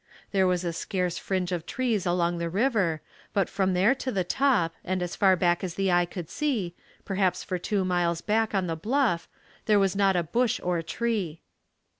There was a scarce fringe of trees along the river but from there to the top and as far back as the eye could see, perhaps for two miles back on the bluff, there was not a bush or tree.